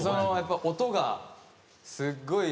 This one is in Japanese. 音がすっごい